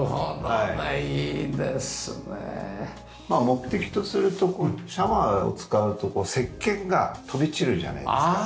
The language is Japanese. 目的とするとシャワーを使うと石鹸が飛び散るじゃないですか。